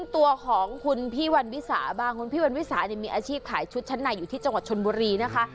ตัวของคุณพี่วันวิสาบ้างคุณพี่วันวิสาเนี่ยมีอาชีพขายชุดชั้นในอยู่ที่จังหวัดชนบุรีนะคะ